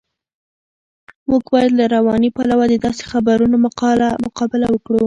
موږ باید له رواني پلوه د داسې خبرونو مقابله وکړو.